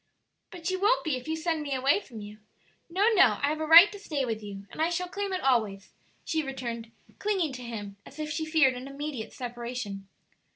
"But you won't be if you send me away from you. No, no; I have a right to stay with you, and I shall claim it always," she returned, clinging to him as if she feared an immediate separation.